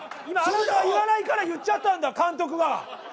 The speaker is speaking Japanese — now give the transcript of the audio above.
今あなたが言わないから言っちゃったんだ監督が。